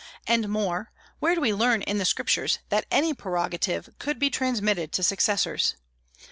And more, where do we learn in the Scriptures that any prerogative could be transmitted to successors?